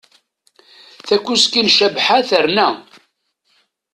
Takuski n Cabḥa terna.